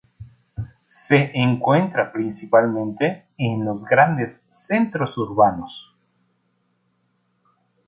Se encuentra principalmente en los grandes centros urbanos.